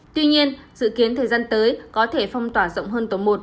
tuy nhiên dự kiến thời gian tới có thể phong tỏa rộng hơn tổ một